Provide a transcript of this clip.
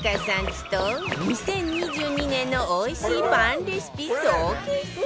ちと２０２２年のおいしいパンレシピ総決算